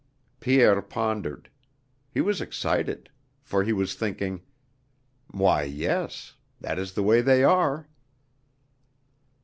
Pierre pondered. He was excited. For he was thinking: "Why, yes. That is the way they are...."